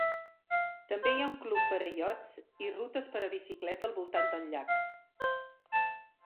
També hi ha un club per a iots i rutes per a bicicleta al voltant del llac.